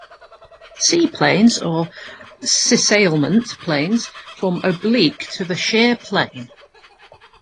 C-planes or "cissalement" planes form oblique to the shear plane.